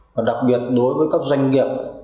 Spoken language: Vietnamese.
và đặc biệt đối với các doanh nghiệp